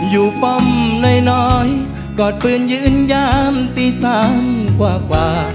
ป้อมน้อยกอดปืนยืนยามตีสามกว่า